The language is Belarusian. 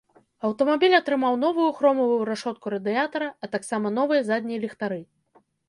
Аўтамабіль атрымаў новую, хромавую рашотку радыятара, а таксама новыя заднія ліхтары.